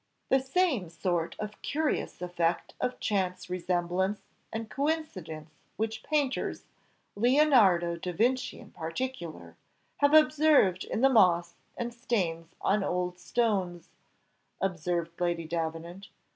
"The same sort of curious effect of chance resemblance and coincidence which painters, Leonardo da Vinci in particular, have observed in the moss and stains on old stones," observed Lady Davenant.